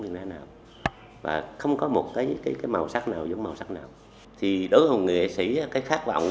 biển đá nào và không có một cái màu sắc nào giống màu sắc nào thì đối với người nghệ sĩ cái khát vọng